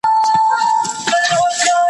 او پر خره باندي یې پیل کړل ګوزارونه